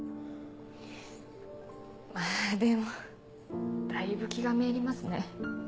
まぁでもだいぶ気が滅入りますね。